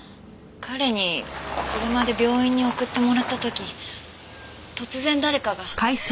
彼に車で病院に送ってもらった時突然誰かが。